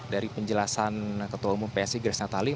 dari penjelasan ketua umum psi grace natali